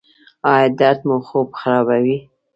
ایا درد مو خوب خرابوي؟